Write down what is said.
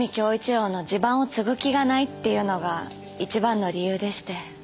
良の地盤を継ぐ気がないっていうのが一番の理由でして。